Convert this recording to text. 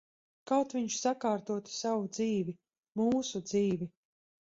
Kaut viņš sakārtotu savu dzīvi. Mūsu dzīvi.